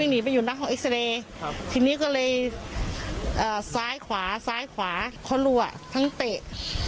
ใช่แล้วก็สะโพกขวาตรงนี้ก็เลยแบบช้างสิ้กซ้าย